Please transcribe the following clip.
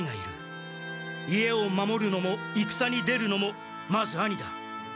家を守るのも戦に出るのもまず兄だ。